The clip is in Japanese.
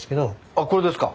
あこれですか。